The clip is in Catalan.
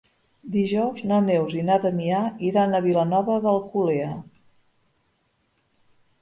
Dijous na Neus i na Damià iran a Vilanova d'Alcolea.